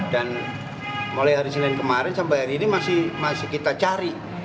dan mulai hari senin kemarin sampai hari ini masih kita cari